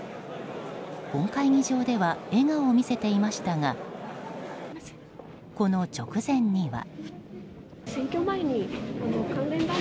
本会議場では笑顔を見せていましたがこの直前には。